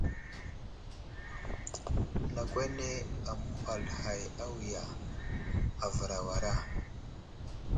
Nakw ane aməhwal hay awiya, avər awara.